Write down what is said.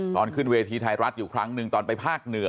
ตอนขึ้นเวทีไทยรัฐอยู่ครั้งหนึ่งตอนไปภาคเหนือ